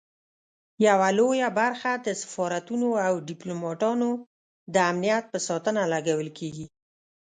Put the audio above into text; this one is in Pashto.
یوه لویه برخه د سفارتونو او ډیپلوماټانو د امنیت په ساتنه لګول کیږي.